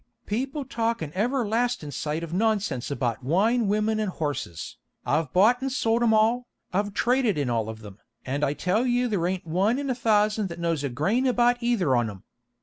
_ "People talk an everlastin' sight of nonsense about wine, women and horses. I've bought and sold 'em all, I've traded in all of them, and I tell you there ain't one in a thousand that knows a grain about either on 'em.